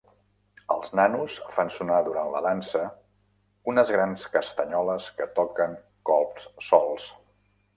Els nanos fan sonar durant la dansa unes grans castanyoles que toquen colps solts.